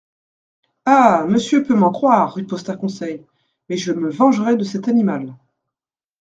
—Ah ! monsieur peut m'en croire, riposta Conseil, mais je me vengerai de cet animal.